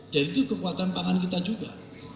dan itu kekuatan pangan kita juga